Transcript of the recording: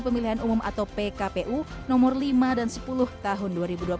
pemilihan umum atau pkpu nomor lima dan sepuluh tahun dua ribu dua puluh